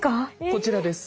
こちらです。